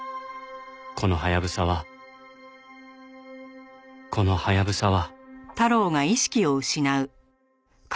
このハヤブサはこのハヤブサは